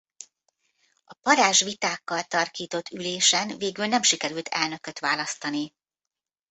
A parázs vitákkal tarkított ülésen végül nem sikerült elnököt választani.